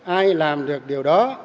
ai làm được điều đó